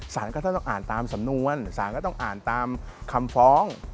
ก็ต้องอ่านตามสำนวนสารก็ต้องอ่านตามคำฟ้อง